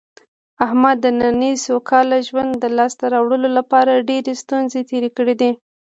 احمد د نننۍ سوکاله ژوند د لاسته راوړلو لپاره ډېرې ستونزې تېرې کړې دي.